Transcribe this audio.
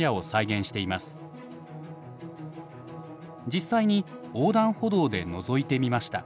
実際に横断歩道でのぞいてみました。